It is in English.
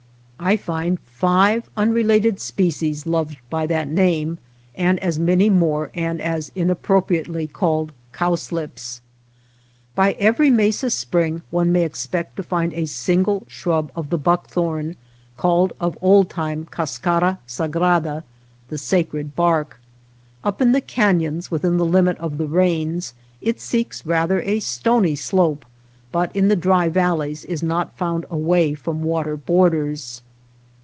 I find five unrelated species loved by that name, and 238 OTHER WATER BORDERS as many more and as inappropriately called cowslips. By every mesa spring one may expect to find a single shrub of the buckthorn, called of old time Cascara sagrada — the sacred bark. Up in the canons, within the limit of the rains, it seeks rather a stony slope, but in the dry valleys is not found away from water borders.